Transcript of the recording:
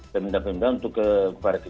dan minta minta untuk kepada kita